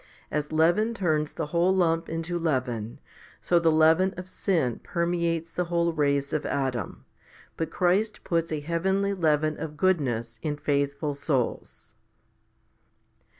A s leaven turns the whole lump into leaven, so the leaven of sin permeates the whole race of Adam; but Christ puts a heavenly leaven of goodness in faithful souls.